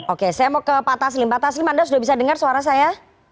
oke saya mau ke pak taslim pak taslim anda sudah bisa dengar suara saya